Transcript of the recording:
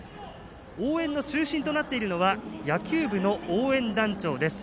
応援の中心となっているのは野球部の応援団長です。